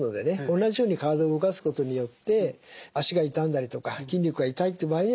同じように体を動かすことによって足が痛んだりとか筋肉が痛いという場合にはですね